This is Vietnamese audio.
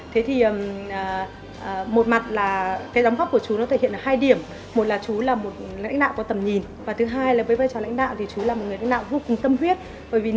tôi may mắn là có một người bố rất là tuyệt vời